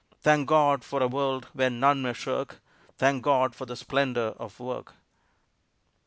Thank God for a world where none may shirk Thank God for the splendor of work!